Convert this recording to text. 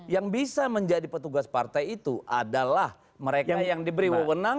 yang bisa menjadi petugas partai itu adalah mereka yang diberi wawonan